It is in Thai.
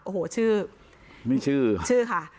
ไม่ชื่อ